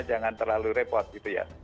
jangan terlalu repot gitu ya